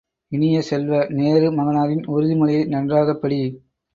இனிய செல்வ, நேரு மகனாரின் உறுதி மொழியை நன்றாகப் படி!